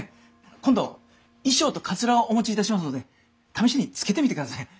今度衣装とカツラをお持ちいたしますので試しにつけてみてください。